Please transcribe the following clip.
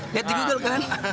lihat di google kan